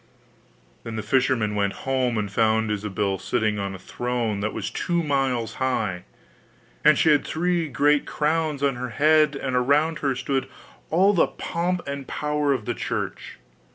Then the fisherman went home, and found Ilsabill sitting on a throne that was two miles high. And she had three great crowns on her head, and around her stood all the pomp and power of the Church.